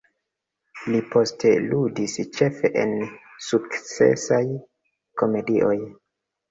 Li poste ludis ĉefe en sukcesaj komedioj.